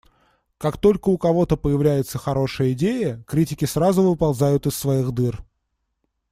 Как только у кого-то появляется хорошая идея, критики сразу выползают из своих дыр.